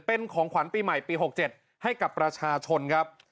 เป็นของขวัญปีใหม่ปี๖๗ให้กับประชาชนครับ